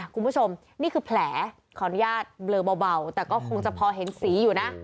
คุณผู้ชมนี่คือแผลขออนุญาตเบลอเบาแต่ก็คงจะพอเห็นสีอยู่นะ